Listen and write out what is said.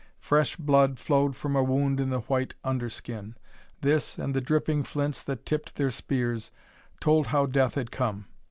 Fresh blood flowed from a wound in the white under skin; this, and the dripping flints that tipped their spears, told how death had come.